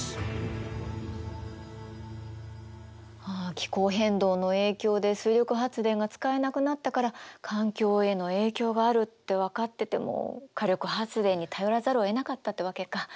気候変動の影響で水力発電が使えなくなったから環境への影響があるって分かってても火力発電に頼らざるをえなかったってわけか。